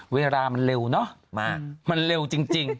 เวลามันเร็วเนอะมันเร็วจริง